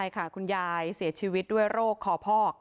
คุณยายเสียชีวิตด้วยโรคคอพอก